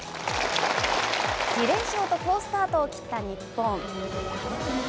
２連勝と好スタートを切った日本。